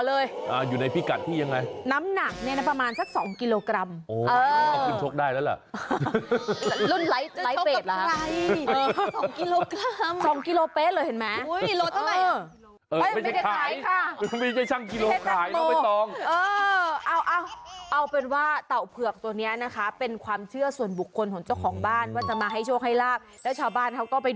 เออเพราะว่าทาแป้งเข้าไปแบบนี้